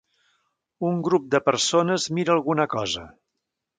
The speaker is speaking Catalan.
Un grup de persones mira alguna cosa.